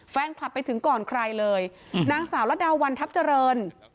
แฟนคลับไปถึงก่อนใครเลยนางสาวระดาวันทัพเจริญ